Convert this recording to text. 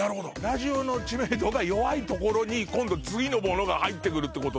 ラジオの知名度が弱い所に今度次のものが入ってくるってことだ。